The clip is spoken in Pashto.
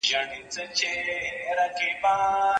څېړونکی د موضوع تاریخ ولي لولي؟